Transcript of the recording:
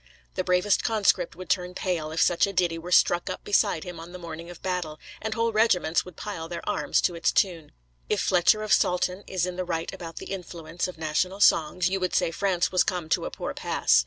The bravest conscript would turn pale if such a ditty were struck up beside him on the morning of battle; and whole regiments would pile their arms to its tune. If Fletcher of Saltoun is in the right about the influence of national songs, you would say France was come to a poor pass.